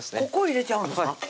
ここ入れちゃうんですか？